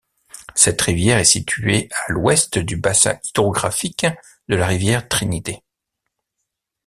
Cette rivière est située à l'ouest du bassin hydrographique de la rivière Trinité.